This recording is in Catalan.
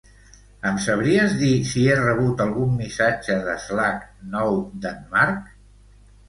Em sabries dir si he rebut algun missatge d'Slack nou d'en Marc?